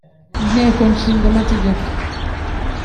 Inteko Ishinga Amategeko